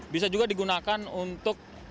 bisa juga digunakan untuk